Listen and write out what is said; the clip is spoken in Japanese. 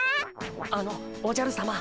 あのおじゃるさま！